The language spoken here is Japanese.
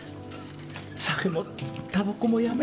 酒もたばこもやめる。